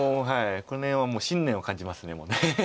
この辺は信念を感じますもう。